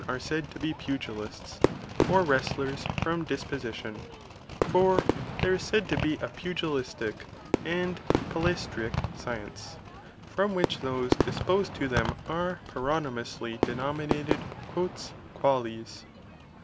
are said to be pun^ilists or wrestlers from disposition, for there is said to be a pugilistic and pal^Bstric science, from which those dis posed to them are paronymously denominated "quales."